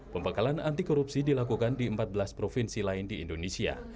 pembekalan anti korupsi dilakukan di empat belas provinsi lain di indonesia